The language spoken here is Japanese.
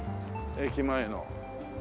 駅前の。